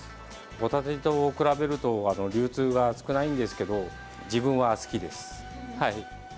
ホタテと比べると流通が少ないんですけど自分は好きです。